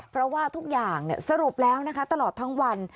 เพราะว่าทุกอย่างสรุปแล้วนะคะตลอดทั้งวัน